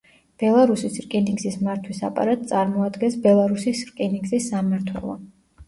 ბელარუსის რკინიგზის მართვის აპარატს წარმოადგენს ბელარუსის რკინიგზის სამმართველო.